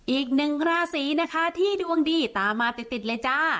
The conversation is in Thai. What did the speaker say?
อีกหนึ่งราศีนะคะที่ดวงดีตามมาติดเลยจ้า